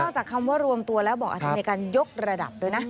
จากคำว่ารวมตัวแล้วบอกอาจจะมีการยกระดับด้วยนะ